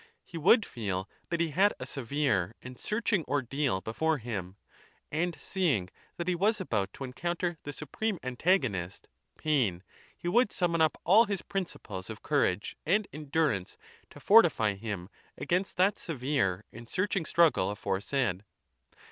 He would feel that he had a severe and searching ordeal before him ; and seeing that he was about to encounter the^sugcgme^antagonist, gain, summon up all his prindf^eso?" courage and endur ance to fortify him against that severe and searching struggle aforesaid.